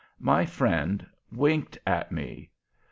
My friend winked at me.